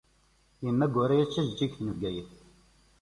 Yemma Guraya d tejeǧǧigt n Bgayet.